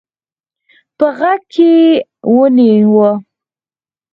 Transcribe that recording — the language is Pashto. په غېږ کې يې ونيو.